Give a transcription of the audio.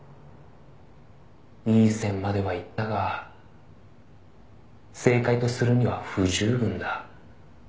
「いい線まではいったが正解とするには不十分だ」